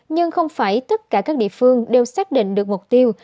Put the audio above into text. nhưng không phải tất cả các địa phương đều xác định được mục tiêu